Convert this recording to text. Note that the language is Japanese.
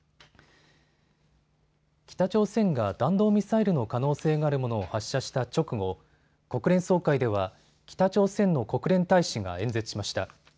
北朝鮮が弾道ミサイルの可能性があるものを発射した直後、国連総会では北朝鮮の国連大使が演説しました。